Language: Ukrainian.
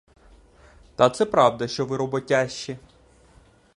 Та це правда, що ви роботящі.